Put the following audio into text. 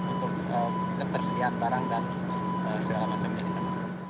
untuk ketersediaan barang dan segala macamnya di sana